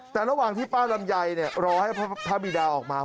แต่ระหว่างที่ป้าลำไยรอให้พระบิดาออกมา